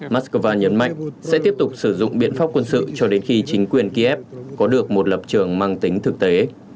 moscow nhấn mạnh sẽ tiếp tục sử dụng biện pháp quân sự cho đến khi chính quyền kiev có được một lập trường mang tính thực tế